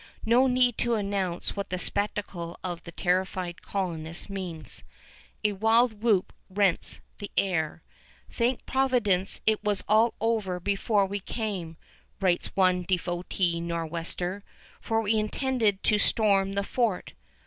No need to announce what the spectacle of the terrified colonists means. A wild whoop rends the air. "Thank Providence it was all over before we came," writes one devout Nor'wester; "for we intended to storm the fort."